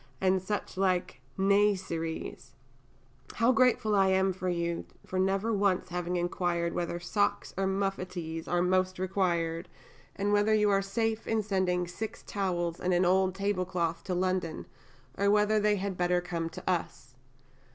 and such like niaiseries. How grateful I am to you for never once having inquired whether socks or muffetees are most required, and whether you are safe in sending 6 towels and an old tablecloth to London, or whether they had better come to us.